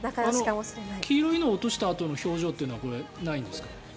黄色いのを落としたあとの表情というのはないんですか？